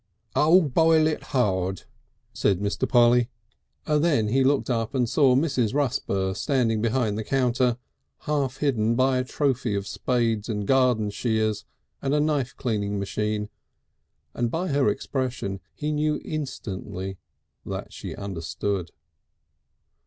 "Oh! Boil it hard!" said Mr. Polly. Then he looked up and saw Mrs. Rusper standing behind the counter half hidden by a trophy of spades and garden shears and a knife cleaning machine, and by her expression he knew instantly that she understood.